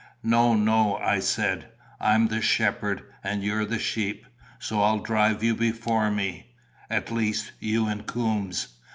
"No, no," I said; "I'm the shepherd and you're the sheep, so I'll drive you before me at least, you and Coombes.